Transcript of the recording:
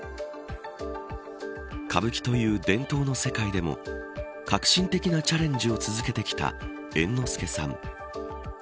歌舞伎という伝統の世界でも革新的なチャレンジを続けてきた猿之助さん。